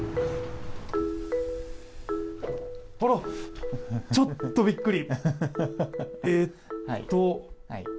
あら！ちょっとびっくり。